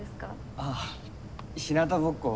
ああひなたぼっこを。